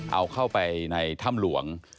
เอาเข้าไปในถ้ำหลวง